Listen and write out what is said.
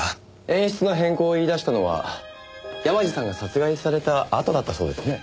演出の変更を言い出したのは山路さんが殺害されたあとだったそうですね。